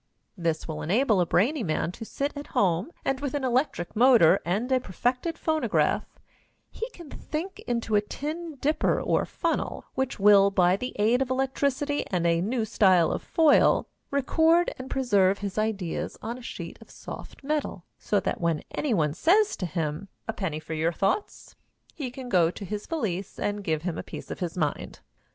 This will enable a brainy man to sit at home, and, with an electric motor and a perfected phonograph, he can think into a tin dipper or funnel, which will, by the aid of electricity and a new style of foil, record and preserve his ideas on a sheet of soft metal, so that when any one says to him, "A penny for your thoughts," he can go to his valise and give him a piece of his mind.